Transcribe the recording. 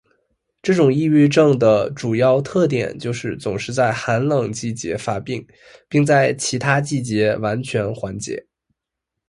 这种抑郁症的主要特点就是总是在寒冷季节发病并在其他季节完全缓解。